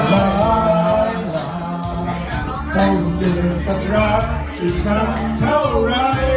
แต่จะประการสักครั้งเท่าไหร่